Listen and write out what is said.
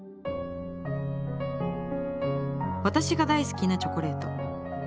私が大好きなチョコレート。